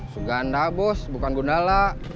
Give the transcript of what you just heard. suganda bos bukan gundala